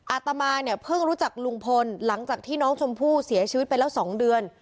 อาตมาเนี่ยเพิ่งรู้จักลุงพลหลังจากที่น้องชมพู่เสียชีวิตไปแล้ว๒เดือน